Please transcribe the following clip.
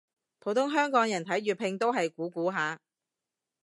普通香港人睇粵拼都係估估下